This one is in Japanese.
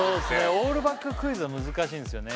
オールバッククイズは難しいんですよね